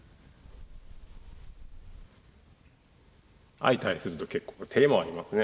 相対すると結構てれもありますね。